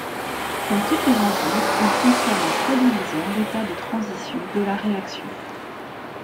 Comme toutes les enzymes, ils fonctionnent en stabilisant l´état de transition de la réaction.